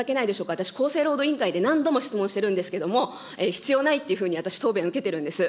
私、厚生労働委員会で何度も質問しているんですけれども、必要ないっていうふうに私、答弁受けてるんです。